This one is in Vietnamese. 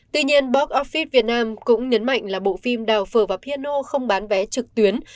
tuy nhiên box office việt nam cũng nhấn mạnh là bộ phim đào phở và piano không bán vé trực tuyến